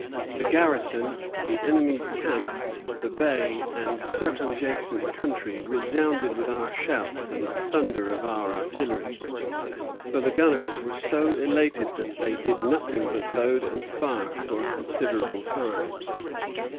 The garrison, the enemy's camp, the bay, and circumjacent country resounded with our shouts and the thunder of our artillery; for the gunners were so elated that they did nothing but load and fire for a considerable time.